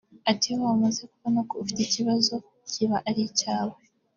Ati “Iyo wamaze kubona ko ufite ikibazo kiba ari icyawe